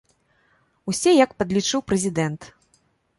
Усе як падлічыў прэзідэнт.